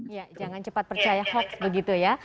ya jangan cepat percaya hoax begitu ya